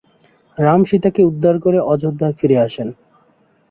রাম সীতাকে উদ্ধার করে অযোধ্যায় ফিরে আসেন।